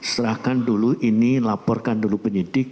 serahkan dulu ini laporkan dulu penyidik